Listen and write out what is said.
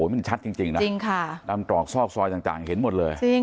มันชัดจริงนะจริงค่ะตามตรอกซอกซอยต่างเห็นหมดเลย